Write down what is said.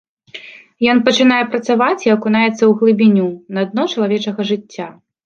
Ён пачынае працаваць і акунаецца ў глыбіню, на дно чалавечага жыцця.